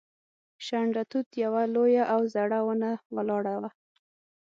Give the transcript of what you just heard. شنډه توت یوه لویه او زړه ونه ولاړه وه.